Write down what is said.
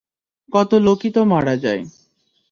কত লোকই তো মারা যায়।